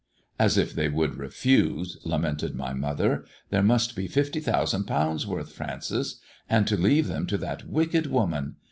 " As if they would refuse,' ' lamented my mother. " There must be fifty thousand pounds' worth, Francis ; and to leave them to that wicked woman